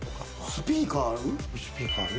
スピーカーある？